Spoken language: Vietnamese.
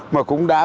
mà cũng đã